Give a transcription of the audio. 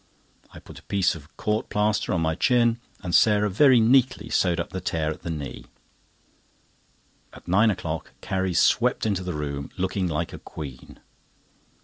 I put a piece of court plaster on my chin, and Sarah very neatly sewed up the tear at the knee. At nine o'clock Carrie swept into the room, looking like a queen.